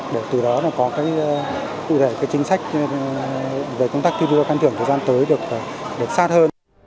để từ đó có cụ thể chính sách về công tác thi đua can trưởng thời gian tới được sát hơn